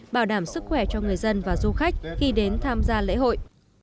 bảo đảm sức khỏe cho người dân và du khách khi đến tham gia lễ hội